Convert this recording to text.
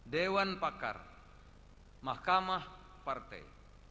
dewan pakar mahkamah partai